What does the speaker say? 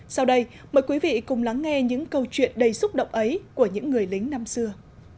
sau đây mời quý vị cùng lắng nghe những câu chuyện đầy xúc động ấy của những người lính năm xưa